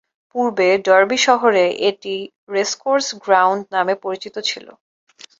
পূর্বে ডার্বি শহরে এটি রেসকোর্স গ্রাউন্ড নামে পরিচিত ছিল।